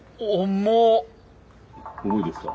重いですか？